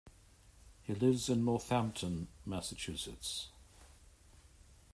He lives in Northampton, Massachusetts.